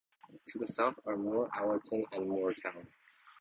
To the south are Moor Allerton and Moortown.